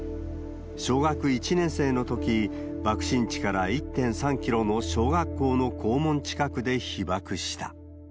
小学１年生のとき、爆心地から１．３キロの小学校の校門近くで被爆した。